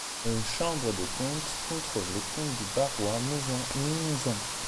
Le Chambre des comptes contrôle les comptes du Barrois mouvant et non mouvant.